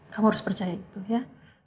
kamu harus percaya itu ya